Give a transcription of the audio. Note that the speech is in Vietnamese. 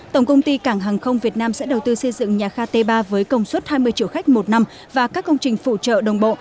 tổng công ty cảng hàng không việt nam sẽ đầu tư xây dựng nhà ga t ba với công suất hai mươi triệu khách một năm và các công trình phụ trợ đồng bộ